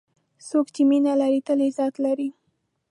څوک چې مینه لري، تل عزت لري.